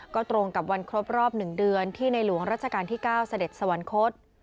ก็ตรงกับวันครบรอบ๑เดือนที่ในหลวงราชการที่๙เสด็จสวรรคต